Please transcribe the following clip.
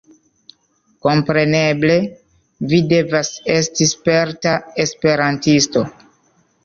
Kompreneble, vi devas esti sperta esperantisto